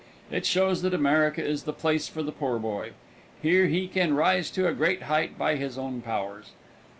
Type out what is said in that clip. It shows that America is the place for the poor boy. Here he can rise to a great height by his own powers.